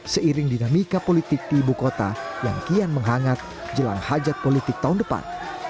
seiring dinamika politik di ibu kota yang kian menghangat jelang hajat politik tahun depan